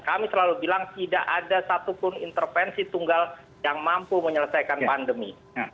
kami selalu bilang tidak ada satupun intervensi tunggal yang mampu menyelesaikan pandemi